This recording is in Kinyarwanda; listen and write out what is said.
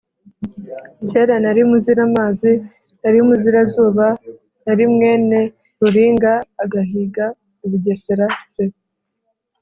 kera nari muziramazi, nari muzirazuba, nari mwene ruringa agahiga i bugesera.” se